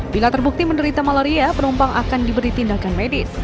bila terbukti menderita malaria penumpang akan diberi tindakan medis